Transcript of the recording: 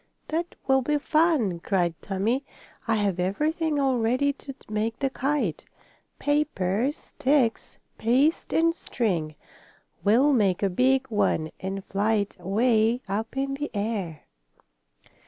"That will be fun!" cried Tommie. "I have everything all ready to make the kite paper, sticks, paste and string. We'll make a big one and fly it away up in the air."